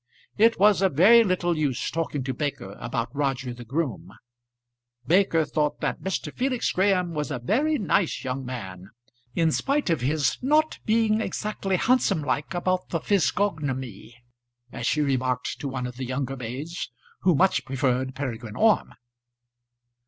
It was of very little use talking to Baker about Roger the groom. Baker thought that Mr. Felix Graham was a very nice young man, in spite of his "not being exactly handsomelike about the physgognomy," as she remarked to one of the younger maids, who much preferred Peregrine Orme.